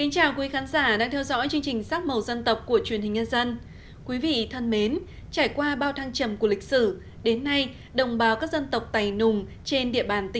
chào mừng quý vị đến với bộ phim hãy nhớ like share và đăng ký kênh của chúng mình nhé